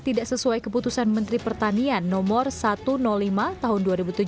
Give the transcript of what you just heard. tidak sesuai keputusan menteri pertanian no satu ratus lima tahun dua ribu tujuh belas